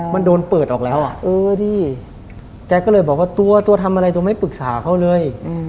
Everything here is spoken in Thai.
มันโดนเปิดออกแล้วอ่ะเออดิแกก็เลยบอกว่าตัวตัวทำอะไรตัวไม่ปรึกษาเขาเลย